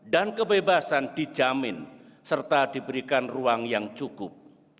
dan kebebasan dijamin serta diberikan ruang yang cukup